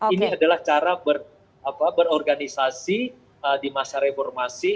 ini adalah cara berorganisasi di masa reformasi